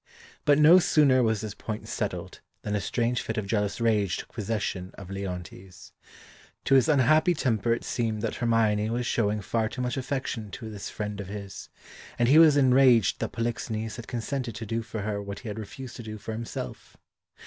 But no sooner was this point settled than a strange fit of jealous rage took possession of Leontes. To his unhappy temper it seemed that Hermione was showing far too much affection to this friend of his, and he was enraged that Polixenes had consented to do for her what he had refused to do for himself.